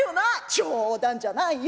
「冗談じゃないよ。